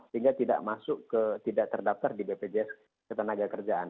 sehingga tidak masuk ke tidak terdaftar di bpjs ketenagakerjaan